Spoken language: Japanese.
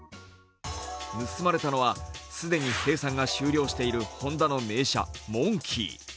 盗まれたのは既に生産が終了しているホンダの名車、モンキー。